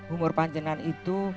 umur panjenengan itu